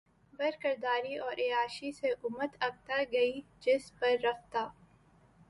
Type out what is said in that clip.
بدکرداری اور عیاشی سے امت اکتا گئ جس پر رفتہ